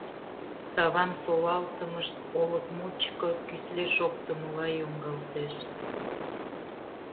Савам солалтымышт олык мучко кӱсле шоктымыла йоҥгалтеш.